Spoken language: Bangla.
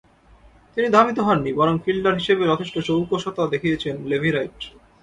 তিনি ধাবিত হননি; বরং ফিল্ডার হিসেবেও যথেষ্ট চৌকুষতা দেখিয়েছেন লেভি রাইট।